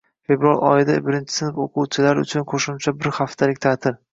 ✔️Fevral oyida birinchi sinf o'quvchilari uchun qo'shimcha bir haftalik ta'til.